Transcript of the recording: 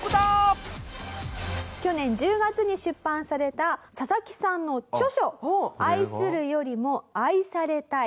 去年１０月に出版されたササキさんの著書『愛するよりも愛されたい』。